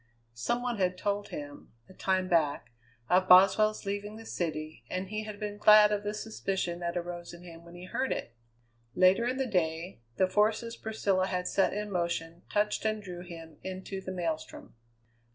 Some one had told him, a time back, of Boswell's leaving the city, and he had been glad of the suspicion that arose in him when he heard it. Later in the day the forces Priscilla had set in motion touched and drew him into the maelstrom.